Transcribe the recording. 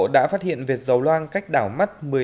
đã phát hiện vệt dầu loang cách đảo mắt